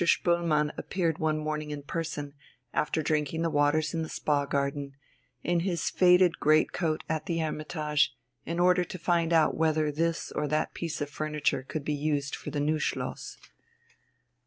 Spoelmann appeared one morning in person, after drinking the waters in the spa garden, in his faded great coat at the "Hermitage," in order to find out whether this or that piece of furniture could be used for the new Schloss.